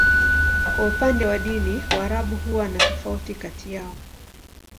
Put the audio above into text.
Kwa upande wa dini, Waarabu huwa na tofauti kati yao.